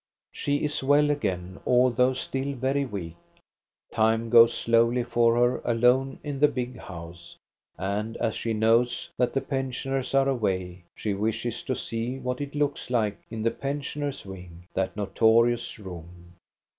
She is well again, although still very weak. Time goes slowly for her alone in the big house, and, as she knows that the pensioners are away, she wishes to see what it looks like in the pensioners* wing, that notorious room.